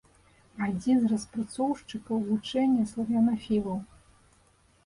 Адзін з распрацоўшчыкаў вучэння славянафілаў.